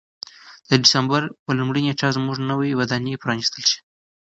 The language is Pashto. د دسمبر په لومړۍ نېټه به زموږ نوې ودانۍ پرانیستل شي.